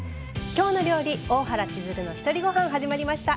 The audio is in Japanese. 「きょうの料理大原千鶴のひとりごはん」始まりました。